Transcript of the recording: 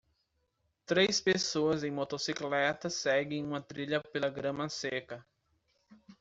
Três pessoas em motocicletas seguem uma trilha pela grama seca.